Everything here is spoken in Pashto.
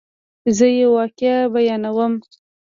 زه یوه واقعه بیانوم.